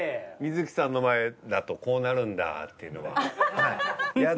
観月さんの前だとこうなるんだっていうのが。